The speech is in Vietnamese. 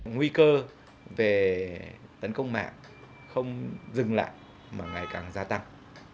nguy cơ về tấn công mạng không dừng lại mà ngày càng gia tăng